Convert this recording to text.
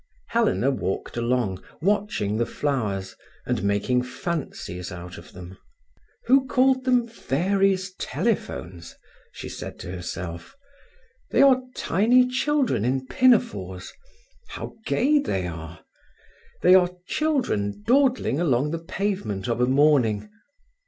Helena walked along, watching the flowers, and making fancies out of them. "Who called them 'fairies' telephones'?" she said to herself. "They are tiny children in pinafores. How gay they are! They are children dawdling along the pavement of a morning.